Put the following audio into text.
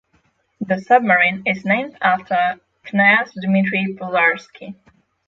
The submarine is named after Knyaz Dmitry Pozharsky.